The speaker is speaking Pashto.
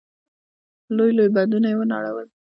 لوی لوی بندونه يې ونړول.